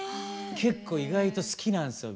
結構意外と好きなんすよ